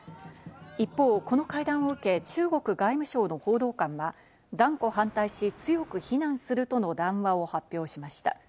一方、この会談を受け、中国外務省の報道官は、断固反対し、強く非難するとの談話を発表しました。